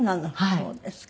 そうですか。